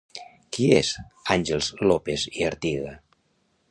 Qui és Àngels López i Artiga?